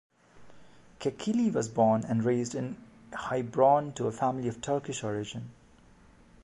Kekilli was born and raised in Heilbronn, to a family of Turkish origin.